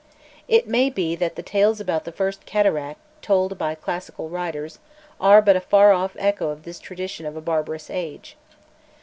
It may be that the tales about the first cataract told by classic writers are but a far off echo of this tradition of a barbarous age.